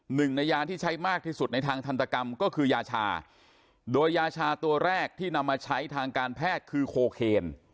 หนึ่งในยาที่ใช้มากที่สุดในทางทันตกรรมก็คือยาชาโดยยาชาตัวแรกที่นำมาใช้ทางการแพทย์คือโคเคน